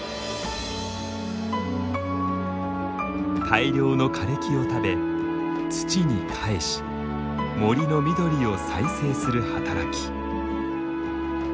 大量の枯れ木を食べ土に返し森の緑を再生する働き。